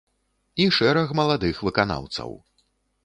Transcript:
І шэраг маладых выканаўцаў.